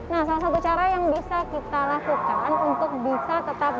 nah salah satu cara yang bisa kita lakukan untuk bisa tetap